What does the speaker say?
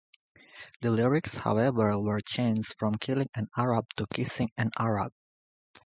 The lyrics, however, were changed from "Killing an Arab" to "Kissing an Arab".